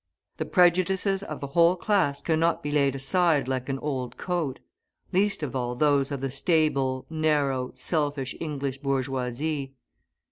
The prejudices of a whole class cannot be laid aside like an old coat: least of all, those of the stable, narrow, selfish English bourgeoisie.